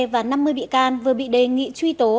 và năm mươi bị can vừa bị đề nghị truy tố